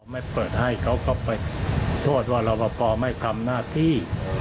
ไม่เปิดให้เขาก็ไปโทษว่ารอปภไม่ทำหน้าที่